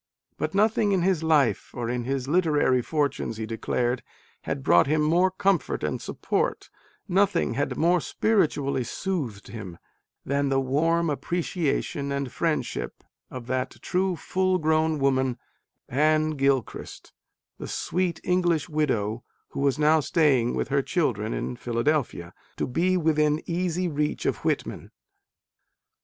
But nothing in his life or in his literary fortunes, he declared, had brought him more comfort and support nothing had more spiritually soothed him than the "warm appreciation and friendship of that true full grown woman," Anne Gilchrist, the sw r eet English widow who was now staying with her children in Philadelphia, to be within easy reach of Whitman.